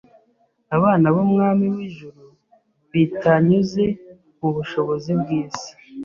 abana b’Umwami w’ijuru, bitanyuze mu bushobozi bw’isi,